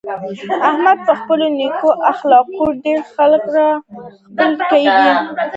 احمد په خپلو نېکو اخلاقو ډېر خلک را خپل کړي دي.